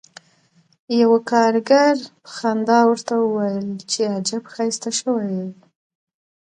یوه کارګر په خندا ورته وویل چې عجب ښایسته شوی یې